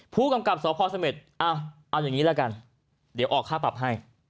ผู้กำกับสมพสมิษฮ์เอ้าเอาอย่างนี้ดีกว่ากันเดี๋ยวออกค่าปรับให้